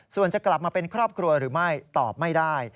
ส่วนจะกลับมาเป็นครอบครัวหรือไม่ตอบไม่ได้